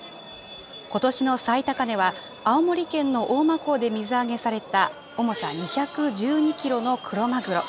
ことしの最高値は、青森県の大間港で水揚げされた重さ２１２キロのクロマグロ。